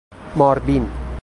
ماربین